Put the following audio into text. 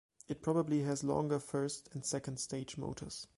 It probably has longer first and second-stage motors.